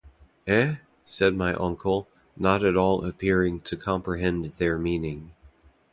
“Eh?” said my uncle, not at all appearing to comprehend their meaning.